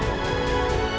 kembali ke rumah saya